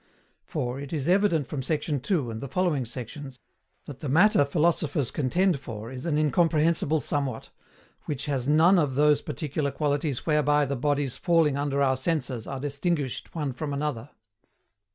For, it is evident from sect. II and the following sections, that the Matter philosophers contend for is an incomprehensible somewhat, WHICH HAS NONE OF THOSE PARTICULAR QUALITIES WHEREBY THE BODIES FALLING UNDER OUR SENSES ARE DISTINGUISHED ONE FROM ANOTHER.